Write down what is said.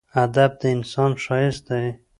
ادب د انسان ښایست دی.